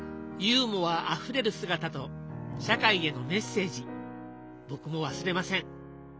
ユーモアあふれる姿と社会へのメッセージ僕も忘れません。